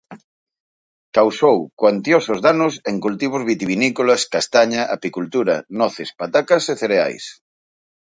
Causou cuantiosos danos en cultivos vitivinícolas, castaña, apicultura, noces, patacas e cereais.